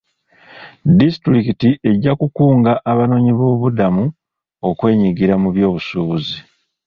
Disitulikiti ejja kukunga abanoonyiboobubudamu okwenyigira mu byobusuubuzi.